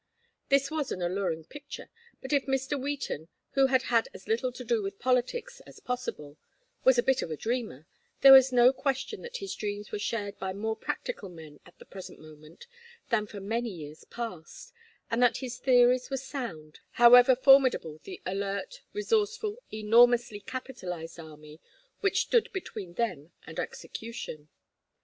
This was an alluring picture, but if Mr. Wheaton, who had had as little to do with politics as possible, was a bit of a dreamer, there was no question that his dreams were shared by more practical men at the present moment than for many years past; and that his theories were sound, however formidable the alert, resourceful, enormously capitalized army which stood between them and execution.